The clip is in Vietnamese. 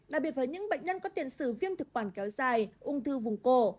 đặc biệt với những bệnh nhân có tiền sử viêm thực quản kéo dài ung thư vùng cổ